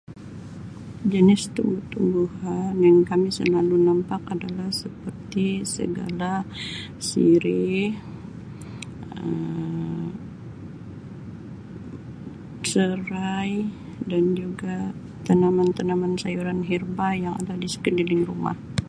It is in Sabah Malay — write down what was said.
Jenis tumbuh-tumbuhan yang kami selalu namoak adalah seperti segala suri, serai dan juga tanaman-tanaman herba yang berada di sekeliling rumah.